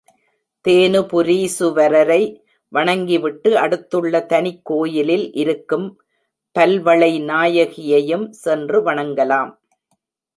தேனுபுரீசுவரரை வணங்கிவிட்டு அடுத்துள்ள தனிக்கோயிலில் இருக்கும் பல்வளை நாயகியையும் சென்று வணங்கலாம்.